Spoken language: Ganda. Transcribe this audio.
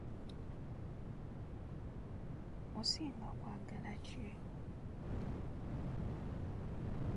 Osinga kwagala ki?